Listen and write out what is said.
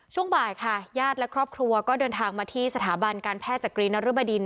ช่วงบ่ายค่ะญาติและครอบครัวก็เดินทางมาที่สถาบันการแพทย์จักรีนรบดิน